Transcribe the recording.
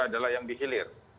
adalah yang dihilir